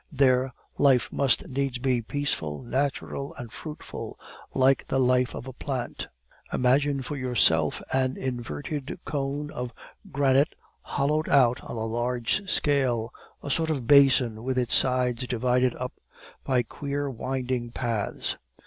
There, life must needs be peaceful, natural, and fruitful, like the life of a plant. Imagine for yourself an inverted cone of granite hollowed out on a large scale, a sort of basin with its sides divided up by queer winding paths.